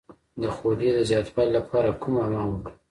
د خولې د زیاتوالي لپاره کوم حمام وکړم؟